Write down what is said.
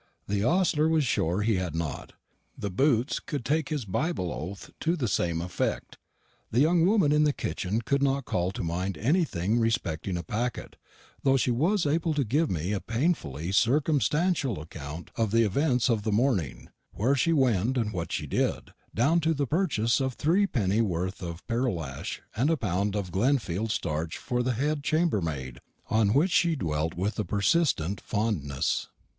The ostler was sure he had not; the Boots could take his Bible oath to the same effect; the young woman in the kitchen could not call to mind anything respecting a packet, though she was able to give me a painfully circumstantial account of the events of the morning where she went and what she did, down to the purchase of three pennyworth of pearl ash and a pound of Glenfield starch for the head chambermaid, on which she dwelt with a persistent fondness.